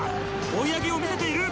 追い上げを見せている。